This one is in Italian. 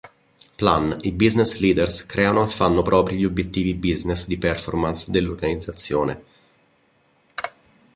Plan: i business leaders creano e fanno propri gli obiettivi business di performance dell'organizzazione.